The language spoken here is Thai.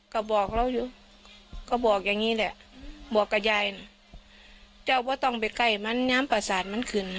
ก็บอกแบบนี้แหละบอกกับยาย